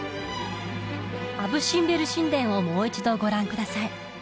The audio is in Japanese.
アブ・シンベル神殿をもう一度ご覧ください